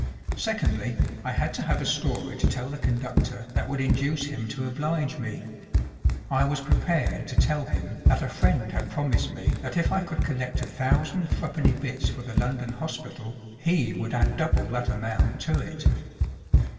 Secondly, I had to have a story to tell the conductor that would induce him to oblige me. I was prepared to tell him that a friend had promised me that if I could collect a thousand threepenny bits for the London Hospital, he would add double that amount to it.